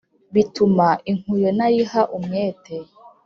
bituma inkuyo ntayiha umwete